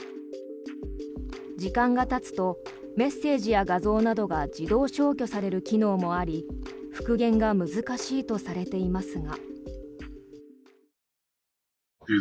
時間がたつとメッセージや画像などが自動消去される機能もあり復元が難しいとされていますが。